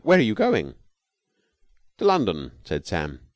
"Where are you going?" "To London," said Sam.